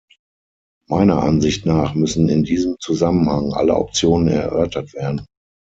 Meiner Ansicht nach müssen in diesem Zusammenhang alle Optionen erörtert werden.